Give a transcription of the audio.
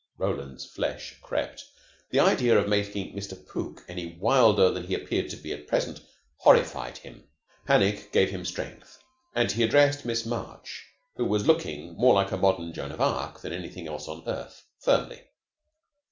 Roland's flesh crept. The idea of making Mr. Pook any wilder than he appeared to be at present horrified him. Panic gave him strength, and he addressed Miss March, who was looking more like a modern Joan of Arc than anything else on earth, firmly.